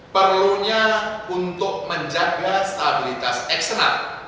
perlunya untuk menjaga stabilitas eksternal